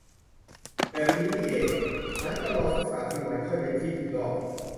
แบบนี้นี่เอง งั้นก็รอซักสามสี่วันค่อยไปจิ้มอีกรอบ